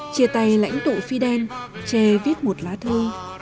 chia tay lãnh tụ fidel che viết một lá thơ